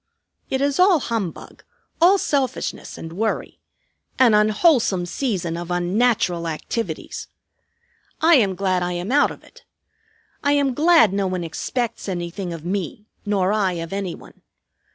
It is all humbug, all selfishness, and worry; an unwholesome season of unnatural activities. I am glad I am out of it. I am glad no one expects anything of me, nor I of any one.